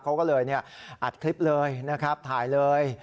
เขาก็เลยอัดคลิปเลยนะครับถ่ายเลย